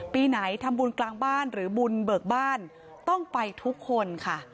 ปีไหนทำบุญกลางบ้านหรือบุญเบิกบ้านต้องไปทุกคนค่ะ